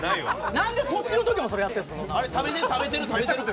なんでこっちのときもそんなのやってるんですか。